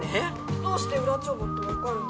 どうして裏帳簿ってわかるんですか？